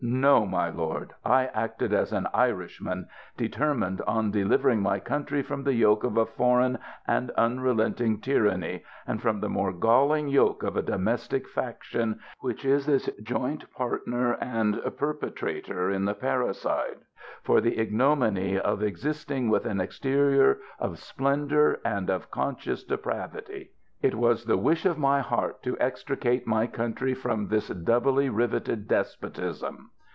No, my lord ; I acted as an Irishman, determined on de livering my country from the yoke of a foreign and unrelenting tyranny, and from the more galling yoke of a domestic faction, which is its joint partner and perpetrator in the parricide, for the ignominy of existing with an exterior of splendor and of conscious depravity. It was the wish of my heart to extricate my country from this doubly riveted despotism.